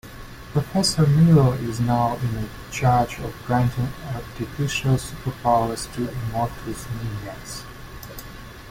Professor Milo is now in charge of granting artificial superpowers to Immortus' minions.